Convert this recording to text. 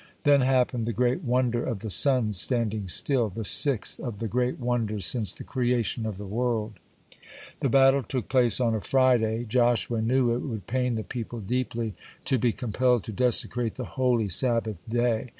(38) Then happened the great wonder of the sun's standing still, the sixth (39) of the great wonders since the creation of the world. The battle took place on a Friday. Joshua knew it would pain the people deeply to be compelled to desecrate the holy Sabbath day.